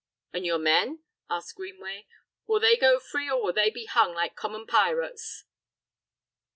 "An' your men?" asked Greenway. "Will they go free or will they be hung like common pirates?"